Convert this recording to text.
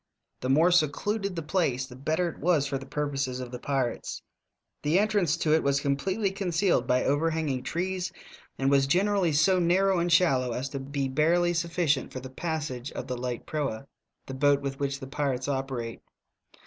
The more seeluded the plaee the better it was for the purposes of the pirates. The entranee to it was eompletely eoneealed by overhanging trees, and was generally so narrow and shallow as to be barely sufficient for the passage of the light proa, the boat with which the pirates oper ate.